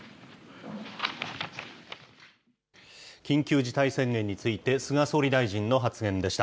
緊急事態宣言について、菅総理大臣の発言でした。